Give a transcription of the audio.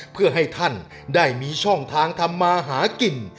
เพื่อให้ท่านได้มีช่องทางทำมาหากิน